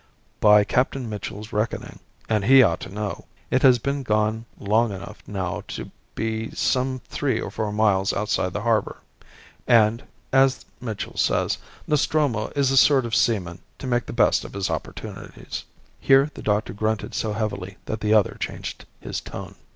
"By Captain Mitchell's reckoning and he ought to know it has been gone long enough now to be some three or four miles outside the harbour; and, as Mitchell says, Nostromo is the sort of seaman to make the best of his opportunities." Here the doctor grunted so heavily that the other changed his tone.